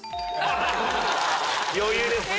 余裕です。